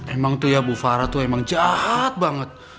emang tuh ya bu fara tuh emang jahat banget